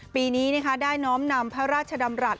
ปีนี้ได้น้อมนำพระราชดำรัฐ